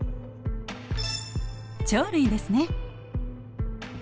鳥類ですね。